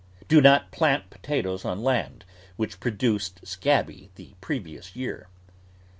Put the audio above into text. Do not plant potatoes on land which produced scabby the previous year.